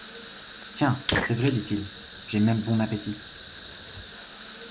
Tiens, c'est vrai, dit-il, j'ai même bon appétit.